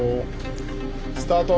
スタート。